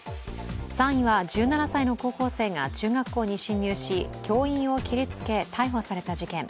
３位は１７歳の高校生が中学校に侵入し、教員を切りつけ逮捕された事件。